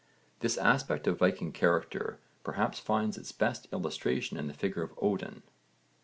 This aspect of Viking character perhaps finds its best illustration in the figure of Odin.